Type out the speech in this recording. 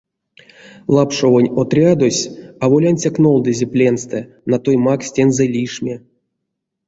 Лапшовонь отрядось аволь ансяк нолдызе пленстэ, натой макссь тензэ лишме.